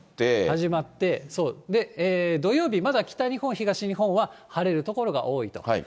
始まって、で、土曜日、まだ北日本、東日本は晴れる所が多いと。